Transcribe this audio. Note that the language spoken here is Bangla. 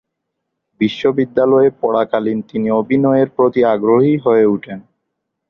বিশ্ববিদ্যালয়ে পড়াকালীন তিনি অভিনয়ের প্রতি আগ্রহী হয়ে ওঠেন।